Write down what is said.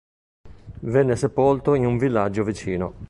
Venne sepolto in un villaggio vicino.